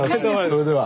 それでは。